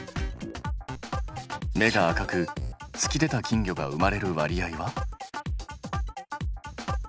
目が赤く突き出た金魚が生まれる割合は？